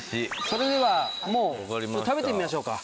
それではもう食べてみましょうか。